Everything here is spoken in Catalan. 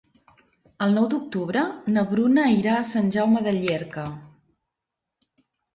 El nou d'octubre na Bruna irà a Sant Jaume de Llierca.